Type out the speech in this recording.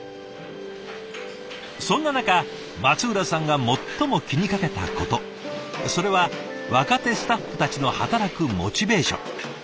そんな中松浦さんが最も気にかけたことそれは若手スタッフたちの働くモチベーション。